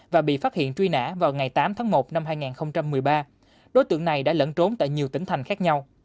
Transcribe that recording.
và bị phát hiện truy nã vào ngày tám tháng một năm hai nghìn một mươi ba đối tượng này đã lẫn trốn tại nhiều tỉnh thành khác nhau